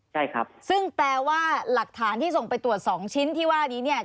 ใช่ครับซึ่งแปลว่าหลักฐานที่ส่งไปตรวจสองชิ้นที่ว่านี้เนี่ย